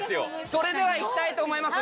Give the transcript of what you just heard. それでは行きたいと思います